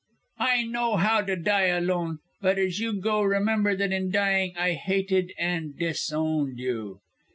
I know how to die alone, but as you go remember that in dying I hated and disowned you."